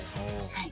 はい。